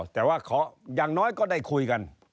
อ๋ออ๋อแต่ว่าอย่างน้อยก็ได้คุยกัน